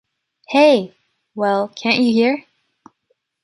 Hey! Well, can’t you hear?